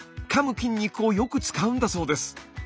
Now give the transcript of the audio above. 筋肉をよく使うんだそうです。